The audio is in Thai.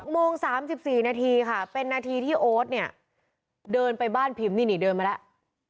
โมง๓๔นาทีค่ะเป็นนาทีที่โอ๊ตเนี่ยเดินไปบ้านพิมพ์นี่นี่เดินมาแล้ว